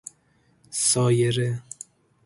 سایره